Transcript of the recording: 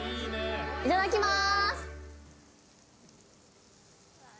いただきます！